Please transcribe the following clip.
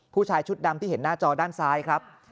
ผู้ชายชุดดำที่เห็นหน้าจอด้านซ้ายครับ